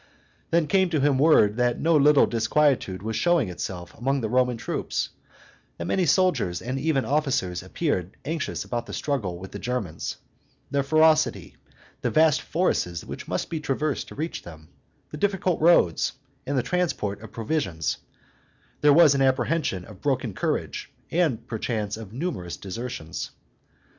Then came to him word that no little disquietude was showing itself among the Roman troops; that many soldiers and even officers appeared anxious about the struggle with the Germans, their ferocity, the vast forests that must be traversed to reach them, the difficult roads, and the transport of provisions; there was an apprehension of broken courage, and perchance of numerous desertions.